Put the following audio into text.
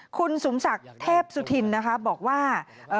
คุณสมศักดิ์เทพสุธินนะคะบอกว่า